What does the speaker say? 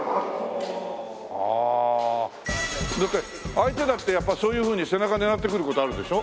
相手だってやっぱそういうふうに背中狙ってくる事あるでしょ？